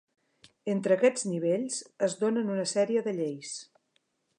Entre aquests nivells es donen una sèrie de lleis.